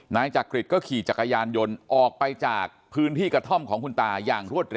นายจักริตก็ขี่จักรยานยนต์ออกไปจากพื้นที่กระท่อมของคุณตาอย่างรวดเร็